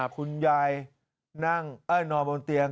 คุณยายนอนบนเตียง